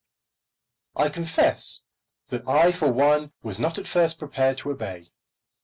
I confess that I for one was not at first prepared to obey.